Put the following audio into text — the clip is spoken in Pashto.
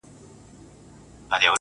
o څه ته مي زړه نه غواړي.